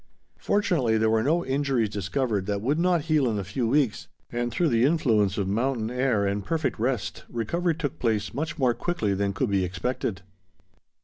Fortunately there were no injuries discovered that would not heal in a few weeks, and through the influence of mountain air and perfect rest, recovery took place much more quickly than could be expected.